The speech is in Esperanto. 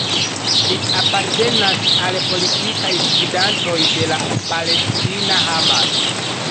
Li apartenas al politikaj gvidantoj de la palestina Hamas.